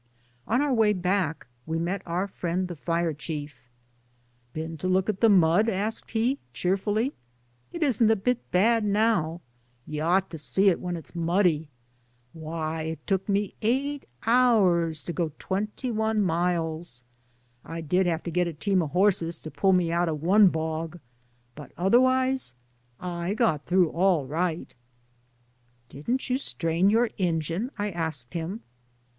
On our way back we met our friend the fire chief. *^Been to look at the mudf asked he, cheer fully. *^It isn't a bit bad now. You ought to see it when it's muddy 1 Why, it took me eight 73 Digitized by LjOOQ IC BY MOTOR TO THE GOLDEN GATE hours to go twenty one miles I I did have to get a team of horses to pull me out of one bog, but otherwise I got through all right. '^ Didn*t you strain your engine!*' I asked him.